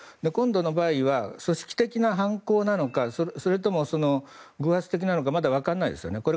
今度の場合は組織的な犯行なのかそれとも偶発的なのかまだわからないですよね。